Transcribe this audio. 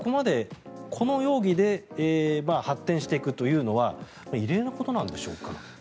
ここまでこの容疑で発展していくというのは異例なことなんでしょうか？